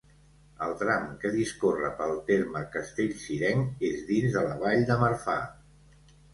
El tram que discorre pel terme castellcirenc és dins de la Vall de Marfà.